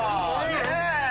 ねえ。